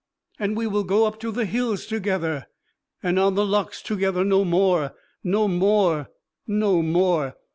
and we will go up the hills together and on the lochs together no more no more no more!